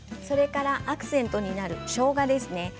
それからアクセントになるしょうがですね。